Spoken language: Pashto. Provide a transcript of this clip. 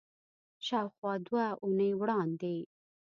شاوخوا دوه اونۍ وړاندې